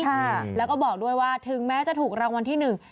ค่ะแล้วก็บอกด้วยว่าถึงแม้จะถูกรางวัลที่หนึ่ง